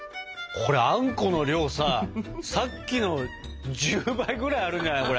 これあんこの量ささっきの１０倍ぐらいあるんじゃないこれ。